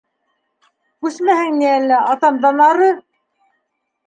Күсмәһәң ни әллә, атамдан ары!